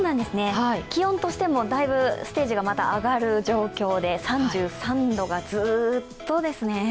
気温としてもだいぶステージが上がる状況で、３３度がずーっとですね。